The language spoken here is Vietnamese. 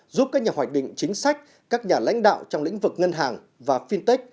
giúp các nhà hoạch định chính sách các nhà lãnh đạo trong lĩnh vực ngân hàng và fintech